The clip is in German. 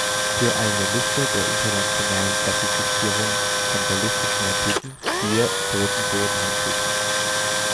Für eine Liste der internationalen Klassifizierung von ballistischen Raketen siehe: Boden-Boden-Raketen.